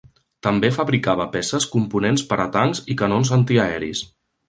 També fabricava peces components per a tancs i canons antiaeris.